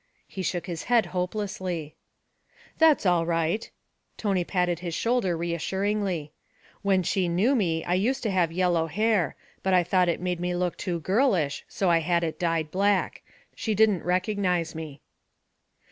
He shook his head hopelessly. 'That's all right.' Tony patted his shoulder reassuringly. 'When she knew me I used to have yellow hair, but I thought it made me look too girlish, so I had it dyed black. She didn't recognize me.'